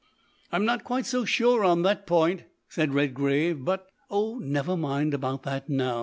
"I'm not quite so sure on that point," said Redgrave, "but " "Oh, never mind about that now!"